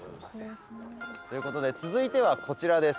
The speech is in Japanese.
ということで続いてはこちらです。